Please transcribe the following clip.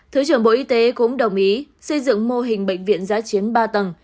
thứ trưởng bộ y tế cũng đồng ý xây dựng mô hình bệnh viện giá chiến ba tầng